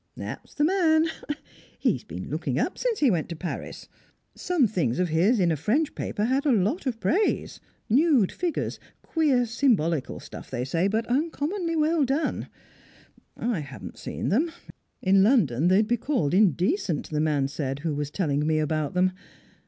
"That's the man. He's been looking up since he went to Paris. Some things of his in a French paper had a lot of praise; nude figures queer symbolical stuff, they say, but uncommonly well done. I haven't seen them; in London they'd be called indecent, the man said who was telling me about them.